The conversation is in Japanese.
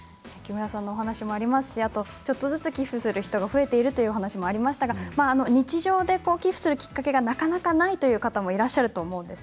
ちょっとずつ寄付をするという人が増えているという話がありましたが日常で寄付をするきっかけがなかなかないという方もいらっしゃると思います。